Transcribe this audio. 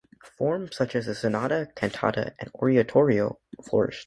Forms such as the sonata, cantata and oratorio flourished.